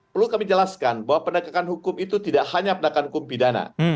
perlu kami jelaskan bahwa penegakan hukum itu tidak hanya penegakan hukum pidana